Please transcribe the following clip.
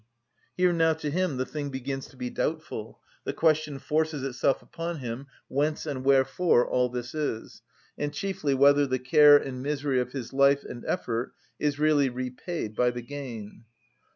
Here now to him the thing begins to be doubtful, the question forces itself upon him whence and wherefore all this is, and chiefly whether the care and misery of his life and effort is really repaid by the gain?